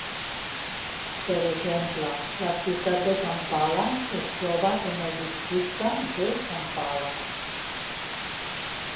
Per exemple, la ciutat de Kampala es troba en el Districte de Kampala.